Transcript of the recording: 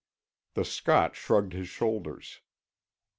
The Scot shrugged his shoulders.